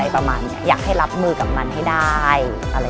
โปรดติดตามตอนต่อไป